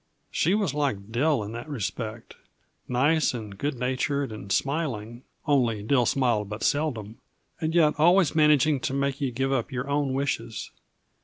She was like Dill in that respect: nice and good natured and smiling only Dill smiled but seldom and yet always managing to make you give up your own wishes.